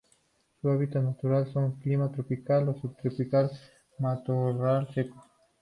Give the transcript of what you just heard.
Su hábitat natural son: clima tropical o subtropical, matorral seco.